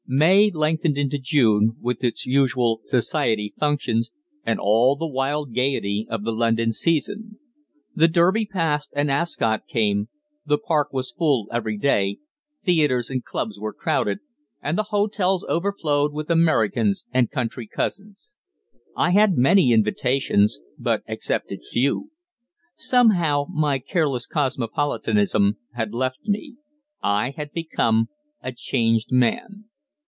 May lengthened into June, with its usual society functions and all the wild gaiety of the London season. The Derby passed and Ascot came, the Park was full every day, theatres and clubs were crowded, and the hotels overflowed with Americans and country cousins. I had many invitations, but accepted few. Somehow, my careless cosmopolitanism had left me. I had become a changed man.